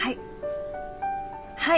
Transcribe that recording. はい。